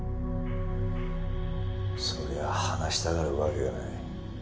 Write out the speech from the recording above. そりゃ話したがるわけがない。